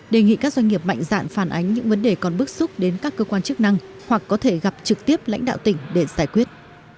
đề nghị các doanh nghiệp mạnh dạn phản ánh những vấn đề còn bức xúc đến các cơ quan chức năng hoặc có thể gặp trực tiếp lãnh đạo tỉnh để giải quyết